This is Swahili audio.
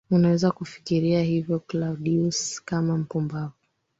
unaweza kufikiria hivyo Claudius kama mpumbavu